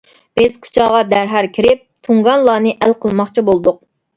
بىز كۇچاغا دەرھال كىرىپ تۇڭگانلارنى ئەل قىلماقچى بولدۇق.